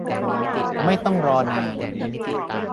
ไม่ต้องรอนาน